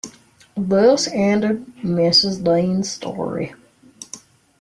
Thus ended Mrs. Dean’s story.